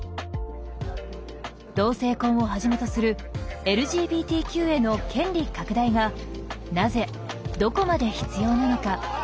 同性婚をはじめとするＬＧＢＴＱへの権利拡大がなぜどこまで必要なのか。